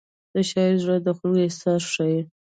د شاعر زړه د خلکو احساس ښيي.